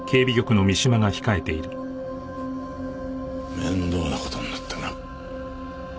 面倒な事になったな。